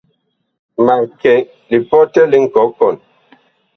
Ma kɛ lipɔtɛ li nkɔkɔn.